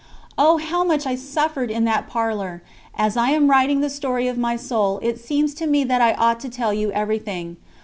Oh, how much I suffered in that parlour! As I am writing the story of my soul, it seems to me that I ought to tell you everything.